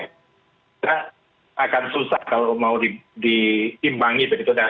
kita akan susah kalau mau diimbangi begitu